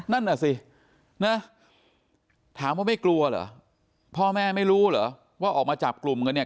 นั่นน่ะสินะถามว่าไม่กลัวเหรอพ่อแม่ไม่รู้เหรอว่าออกมาจับกลุ่มกันเนี่ย